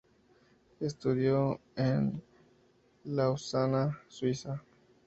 Estudió en Lausana, Suiza.